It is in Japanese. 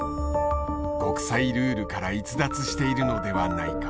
国際ルールから逸脱しているのではないか。